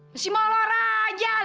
masih mau lora aja